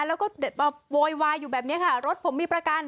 แล้วก็มาโวยวายอยู่แบบนี้ค่ะรถผมมีประกัน